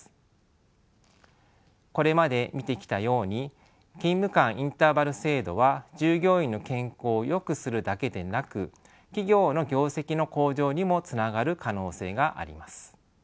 これまで見てきたように勤務間インターバル制度は従業員の健康をよくするだけでなく企業の業績の向上にもつながる可能性があります。